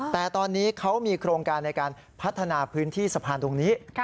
แต่ตอนนี้เขามีโครงการในการพัฒนาพื้นที่สะพานตรงนี้